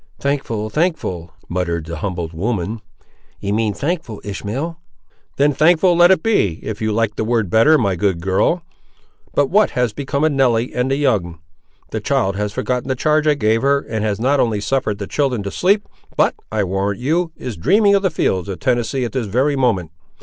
"Thankful, thankful," muttered the humbled woman; "ye mean thankful, Ishmael!" "Then thankful let it be, if you like the word better, my good girl,—but what has become of Nelly and the young? The child has forgotten the charge I gave her, and has not only suffered the children to sleep, but, I warrant you, is dreaming of the fields of Tennessee at this very moment.